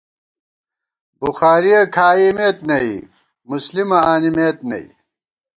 بُخاریہ کھائیمېت نئی، مُسلِمہ آنِمېت نئی